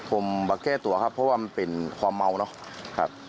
ผมมาแก้ตัวครับเพราะว่ามันเป็นความเมาเนาะครับ